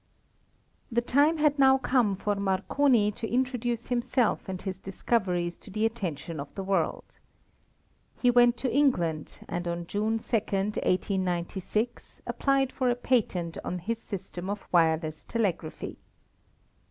The time had now come for Marconi to introduce himself and his discoveries to the attention of the world. He went to England, and on June 2, 1896, applied for a patent on his system of wireless telegraphy.